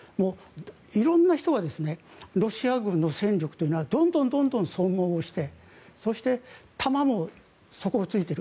色んな人がロシア軍の戦力というのはどんどん損耗をしてそして弾も底を突いている。